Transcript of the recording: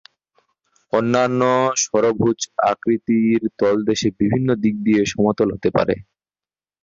অন্যান্য ষড়ভুজ আকৃতির তলদেশ বিভিন্ন দিক দিয়ে সমতল হতে পারে।